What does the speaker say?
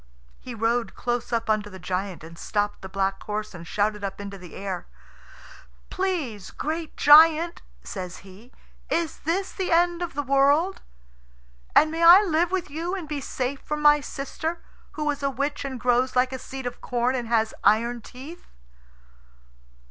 He rode close up under the giant, and stopped the black horse, and shouted up into the air. "Please, great giant," says he, "is this the end of the world? And may I live with you and be safe from my sister, who is a witch, and grows like a seed of corn, and has iron teeth?"